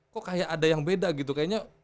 kok kayak ada yang beda gitu kayaknya